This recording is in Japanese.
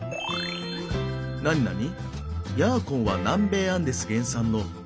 なになに？